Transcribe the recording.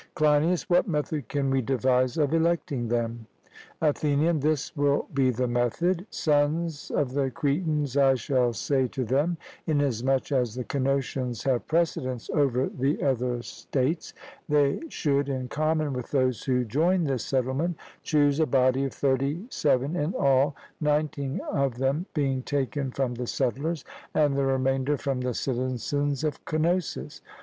CLEINIAS: What method can we devise of electing them? ATHENIAN: This will be the method: Sons of the Cretans, I shall say to them, inasmuch as the Cnosians have precedence over the other states, they should, in common with those who join this settlement, choose a body of thirty seven in all, nineteen of them being taken from the settlers, and the remainder from the citizens of Cnosus.